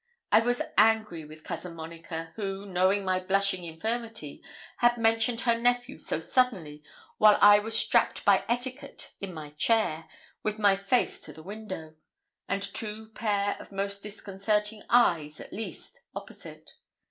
I was angry with Cousin Monica, who, knowing my blushing infirmity, had mentioned her nephew so suddenly while I was strapped by etiquette in my chair, with my face to the window, and two pair of most disconcerting eyes, at least, opposite.